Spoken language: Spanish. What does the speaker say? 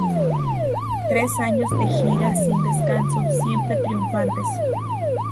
Tres años de gira sin descanso, siempre triunfantes.